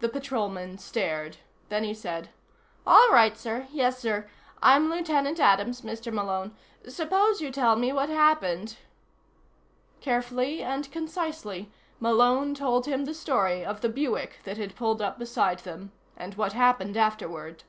The Patrolman stared. Then he said: "All right, sir. Yes, sir. I'm Lieutenant Adams, Mr. Malone. Suppose you tell me what happened?" Carefully and concisely, Malone told him the story of the Buick that had pulled up beside them, and what happened afterward.